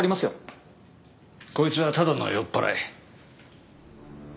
こいつはただの酔っ払い。